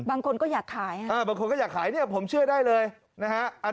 บางคนก็อยากขายบางคนก็อยากขายเนี่ยผมเชื่อได้เลยนะฮะ